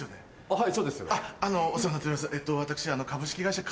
はい。